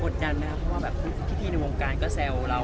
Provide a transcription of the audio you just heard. อดดันนะครับเผื่อเทียบที่ที่ทีในการแซวเรา